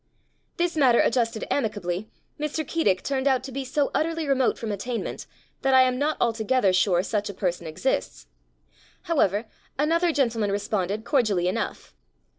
This matter adjusted amicably, Mr. Keedick turned out to be so utterly remote from at tainment that I am not altogether sure such a person exists. However, an other gentleman responded cordially enough.